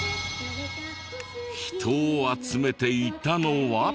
人を集めていたのは。